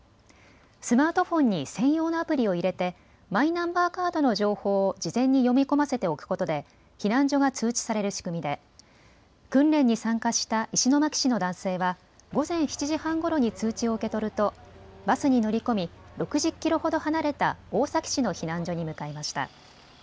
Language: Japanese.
スマートフォンに専用のアプリを入れてマイナンバーカードの情報を事前に読み込ませておくことで避難所が通知される仕組みで訓練に参加した石巻市の男性は午前７時半ごろに通知を受け取るとバスに乗り込み６０キロほど離れた大崎市の避難所に向かいました。